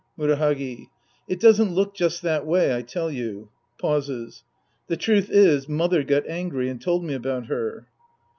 Murahagi. It doesn't look just that way, I tell you. {Pauses.). The truth is, " mother " got angry and told me about her.